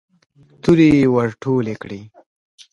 تورې يې ور ټولې کړې.